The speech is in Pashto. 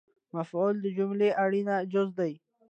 مفعول د جملې اړین جز دئ